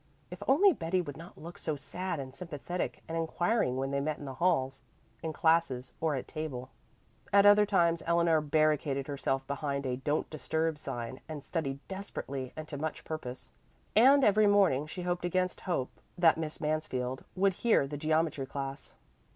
If only Betty would not look so sad and sympathetic and inquiring when they met in the halls, in classes or at table. At other times Eleanor barricaded herself behind a "Don't disturb" sign and studied desperately and to much purpose. And every morning she hoped against hope that Miss Mansfield would hear the geometry class.